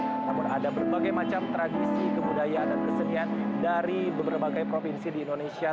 namun ada berbagai macam tradisi kebudayaan dan kesenian dari berbagai provinsi di indonesia